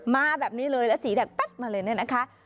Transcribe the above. มาแบบนี้เลยแล้วสีแดดปล๊ะมาเลยนะคะ